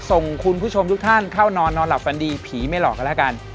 ส่งคุณผู้ชมทุกท่านเข้านอนนอนหลับฝันดีผีไม่หลอกกันแล้วกัน